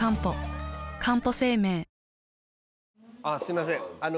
あっすいません